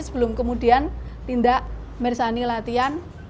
sebelum kemudian tindak mersani latihan